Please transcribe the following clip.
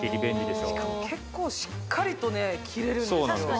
しかも結構しっかりとね切れるんですそうなんです